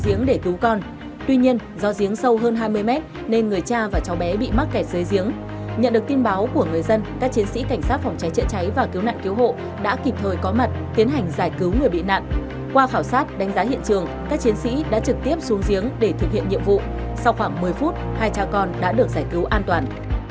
giếng để cứu con tuy nhiên do giếng sâu hơn hai mươi mét nên người cha và cháu bé bị mắc kẹt dưới giếng nhận được tin báo của người dân các chiến sĩ cảnh sát phòng cháy trị cháy và cứu nạn cứu hộ đã kịp thời có mặt tiến hành giải cứu người bị nạn qua khảo sát đánh giá hiện trường các chiến sĩ đã trực tiếp xuống giếng để thực hiện nhiệm vụ sau khoảng một mươi phút hai cha con đã được giải cứu an toàn